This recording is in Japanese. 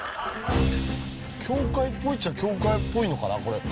教会っぽいっちゃ教会っぽいのかなこれ。